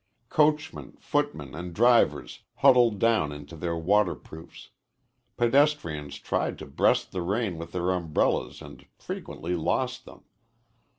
Coachmen, footmen and drivers huddled down into their waterproofs; pedestrians tried to breast the rain with their umbrellas and frequently lost them.